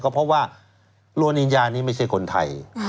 เพราะว่าโรนิญญานี่ไม่ใช่คนไทย